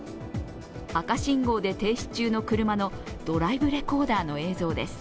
赤信号で停止中の車のドライブレコーダーの映像です。